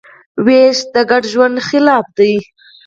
وېش د ګډ ژوند خلاف دی.